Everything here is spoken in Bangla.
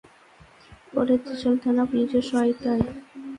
পরে ত্রিশাল থানা-পুলিশের সহায়তায় রোববার রাতেই স্বজনেরা গিয়ে তাঁকে বাড়িতে নিয়ে আসেন।